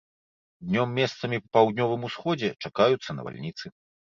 Днём месцамі па паўднёвым усходзе чакаюцца навальніцы.